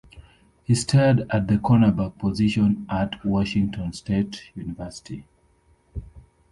He starred at the cornerback position at Washington State University.